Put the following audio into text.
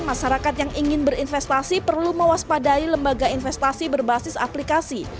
masyarakat yang ingin berinvestasi perlu mewaspadai lembaga investasi berbasis aplikasi